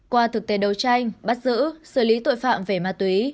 qua thực tế đấu tranh bắt giữ xử lý tội phạm về ma túy